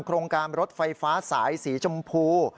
โครงการรถไฟฟ้าสายสีชมพู